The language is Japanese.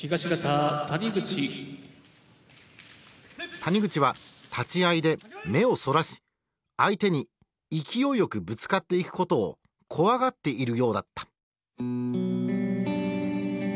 谷口は立ち合いで目をそらし相手に勢いよくぶつかっていくことを怖がっているようだった。